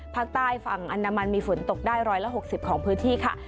ภาคใต้ฝั่งอนามันมีฝนตกได้๑๖๐ของพื้นที่ค่ะ